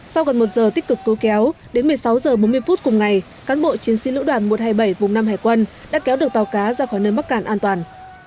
sau gần một giờ tích cực cứu kéo đến một mươi sáu h bốn mươi phút cùng ngày cán bộ chiến sĩ lữ đoàn một trăm hai mươi bảy vùng năm hải quân đã kéo được tàu cá ra khỏi nơi mắc cạn an toàn